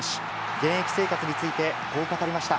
現役生活について、こう語りました。